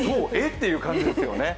っていう感じですよね